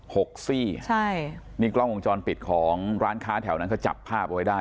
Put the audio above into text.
กซี่ใช่นี่กล้องวงจรปิดของร้านค้าแถวนั้นเขาจับภาพเอาไว้ได้